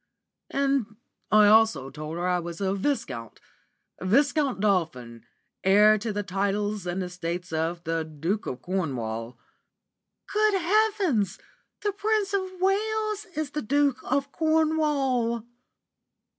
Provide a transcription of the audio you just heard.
"And I also told her I was a Viscount, Viscount Dolphin, heir to the titles and estates of the Duke of Cornwall." "Good heavens! The Prince of Wales is the Duke of Cornwall!"